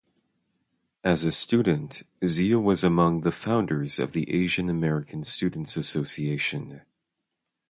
As a student, Zia was among the founders of the Asian American Students Association.